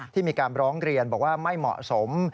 ที่มีการร้องเรียนบอกว่าไม่เหมาะสม